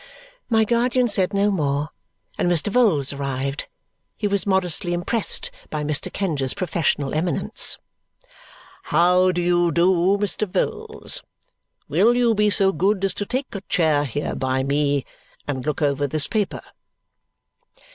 My guardian said no more, and Mr. Vholes arrived. He was modestly impressed by Mr. Kenge's professional eminence. "How do you do, Mr. Vholes? Will you be so good as to take a chair here by me and look over this paper?"